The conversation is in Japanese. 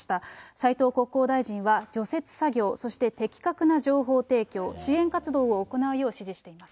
斉藤国交大臣は、除雪作業、そして的確な情報提供、支援活動を行うよう指示しています。